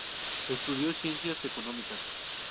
Estudió ciencias económicas.